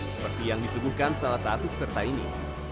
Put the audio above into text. seperti yang disuguhkan salah satu peserta ini